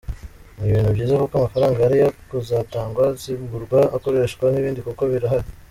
Ni ibintu byiza kuko amafaranga yari kuzatangwa zigurwa akoreshwa ibindi kuko birahari”.